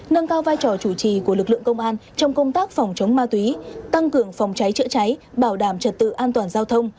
nâng cao vai trò chủ trì của lực lượng công an trong công tác phòng chống ma túy tăng cường phòng cháy chữa cháy bảo đảm trật tự an toàn giao thông